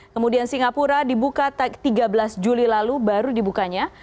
kemudian singapura dibuka tiga belas juli lalu baru dibukanya